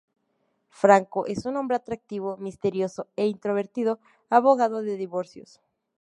Franco es un hombre atractivo, misterioso e introvertido abogado de divorcios.